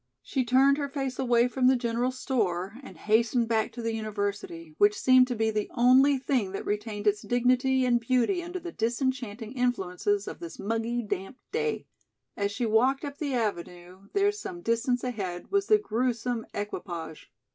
She turned her face away from the general store and hastened back to the University, which seemed to be the only thing that retained its dignity and beauty under the disenchanting influences of this muggy, damp day. As she walked up the avenue, there some distance ahead was the gruesome equipage.